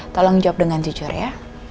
tolong jawab dengan jujur ya